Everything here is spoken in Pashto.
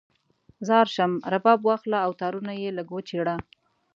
ځار شم، رباب واخله او تارونه یې لږ وچیړه